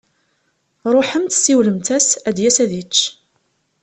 Ṛuḥemt, siwlemt-as ad d-yas ad yečč.